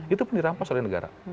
itu pun dirampas oleh negara